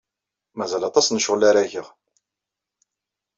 Mazal aṭas n ccɣel ara geɣ.